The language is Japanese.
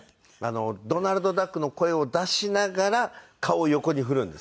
ドナルドダックの声を出しながら顔を横に振るんですね。